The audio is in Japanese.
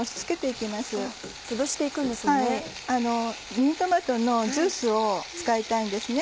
ミニトマトのジュースを使いたいんですね。